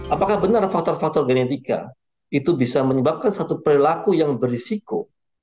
apakah benar faktor faktor genetika itu bisa menyebabkan satu perilaku yang berisiko